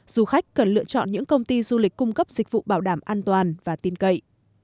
du khách cần lựa chọn những công ty du lịch cung cấp dịch vụ bảo đảm an toàn và tin cậy